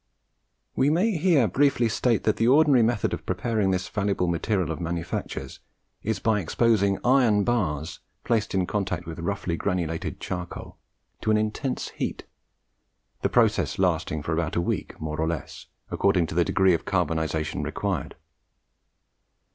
We may here briefly state that the ordinary method of preparing this valuable material of manufactures is by exposing iron bars, placed in contact with roughly granulated charcoal, to an intense heat, the process lasting for about a week, more or less, according to the degree of carbonization required.